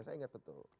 saya ingat betul